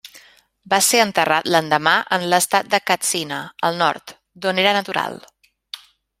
Va ser enterrat l'endemà en l'estat de Katsina, al Nord, d'on era natural.